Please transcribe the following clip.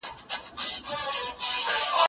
سیر د کتابتوننۍ له خوا کيږي؟!